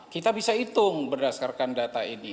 kita bisa hitung berdasarkan data ini